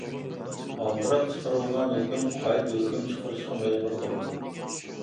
ئالدىراپ چىقىرىلغان ھۆكۈم، قايتا ھۆكۈم چىقىرىشقا مەجبۇر قىلىدۇ.